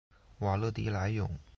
瓦勒迪莱永。